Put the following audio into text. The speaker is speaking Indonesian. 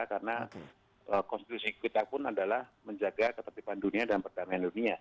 karena konstitusi kita pun adalah menjaga ketertiban dunia dan perdamaian dunia